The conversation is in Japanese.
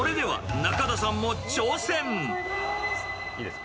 いいですか？